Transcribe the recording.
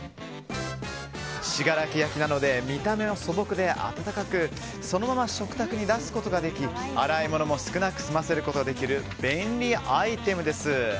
信楽焼なので見た目は素朴で温かくそのまま食卓に出すことができ洗い物も少なく済ませることができる便利アイテムです。